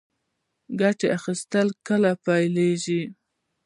ګټه اخیستنه کله پیلیږي؟